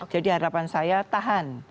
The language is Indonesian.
jadi harapan saya tahan